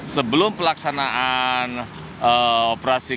sebelum pelaksanaan operasi